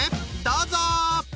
どうぞ！